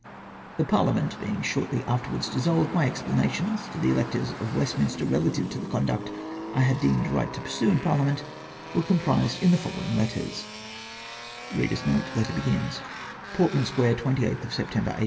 The Parhament being shortly afterwards dissolved, my explanations, to the electors of Westminster relative to the conduct I had deemed right to pursue in Parlia ment were comprised in the following letters :—" Portman Square, 28tli September, 1<S12.